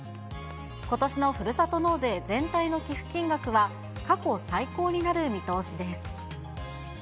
ことしのふるさと納税全体の寄付金額は、過去最高になる見通しです。